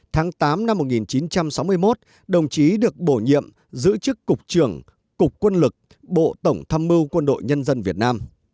tháng tám năm một nghìn chín trăm sáu mươi một đồng chí được bổ nhiệm giữ chức cục trưởng cục quân lực bộ tổng tham mưu quân đội nhân dân việt nam